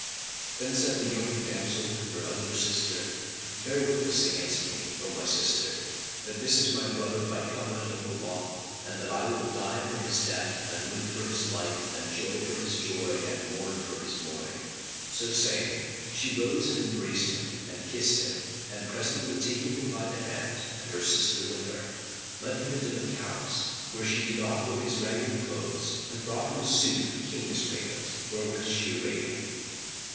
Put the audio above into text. Then said the younger damsel to her elder sister, "Bear witness against me,[FN#36] O my sister, that this is my brother by covenant of Allah and that I will die for his death and live for his life and joy for his joy and mourn for his mourning." So saying, she rose and embraced him and kissed him and presently taking him by the hand and her sister with her, led him into the palace, where she did off his ragged clothes and brought him a suit of King's raiment wherewith she arrayed him.